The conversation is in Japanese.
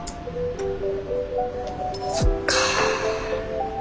そっか。